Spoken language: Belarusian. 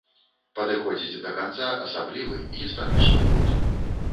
Падыходзіць да канца асаблівы, гістарычны год!